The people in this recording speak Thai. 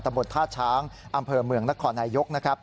ตะบดธาตุช้างอำเภอเมืองนครนายยก